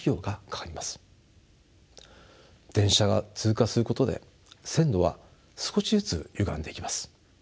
電車が通過することで線路は少しずつゆがんでいきます。